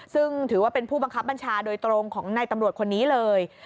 ซึ่งถือว่าเป็นผู้บังคับบัญชาโดยตรงของนายตำรวจคนนี้เลย